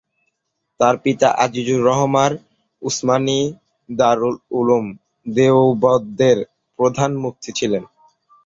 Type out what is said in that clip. তার পিতা আজিজুর রহমান উসমানি দারুল উলুম দেওবন্দের প্রধান মুফতি ছিলেন।